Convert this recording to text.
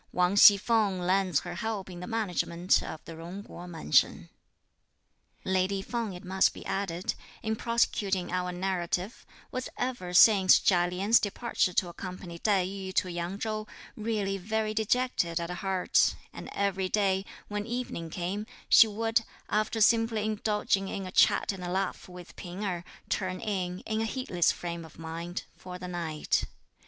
Wang Hsi feng lends her help in the management of the Jung Kuo Mansion. Lady Feng, it must be added, in prosecuting our narrative, was ever since Chia Lien's departure to accompany Tai yü to Yang Chou, really very dejected at heart; and every day, when evening came, she would, after simply indulging in a chat and a laugh with P'ing Erh, turn in, in a heedless frame of mind, for the night.